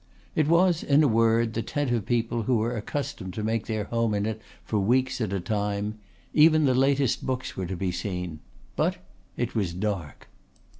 It was, in a word, the tent of people who were accustomed to make their home in it for weeks at a time. Even the latest books were to be seen. But it was dark.